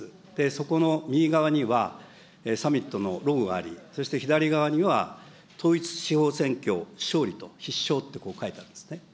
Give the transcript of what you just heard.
そこの右側には、サミットのロゴがあり、そして左側には統一地方選挙勝利と、必勝ってこう書いてあるんですね。